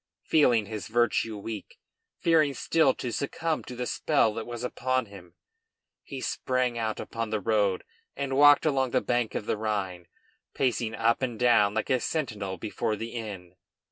Feeling his virtue weak, fearing still to succumb to the spell that was upon him he sprang out upon the road and walked along the bank of the Rhine, pacing up and down like a sentinel before the inn.